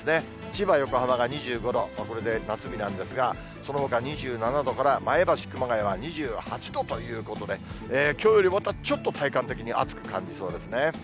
千葉、横浜が２５度、これで夏日なんですが、そのほか２７度から、前橋、熊谷は２８度ということで、きょうよりもまたちょっと体感的に暑く感じそうですね。